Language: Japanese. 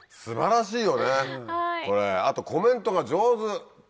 あとコメントが上手。